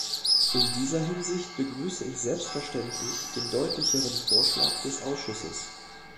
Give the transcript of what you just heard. In dieser Hinsicht begrüße ich selbstverständlich den deutlicheren Vorschlag des Ausschusses.